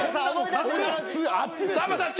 さんまさん